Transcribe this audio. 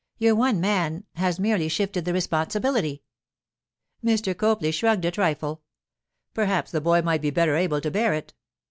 Your one man has merely shifted the responsibility.' Mr. Copley shrugged a trifle. 'Perhaps the boy might be better able to bear it.